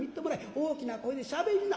大きな声でしゃべりな』